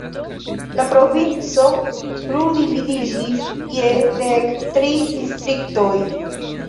La provinco plu dividiĝis je dek tri distriktoj.